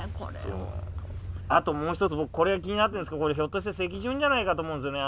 あともう一つ僕これ気になってるんですけどこれひょっとして石筍じゃないかと思うんですよね。